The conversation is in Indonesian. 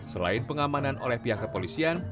selain pengamanan oleh pihak kepolisian